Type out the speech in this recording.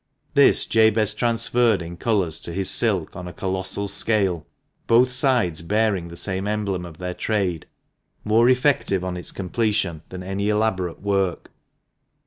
This Jabez transferred in colours to his silk on a colossal scale, both sides bearing the same emblem of their trade, more effective on its completion than any elaborate work.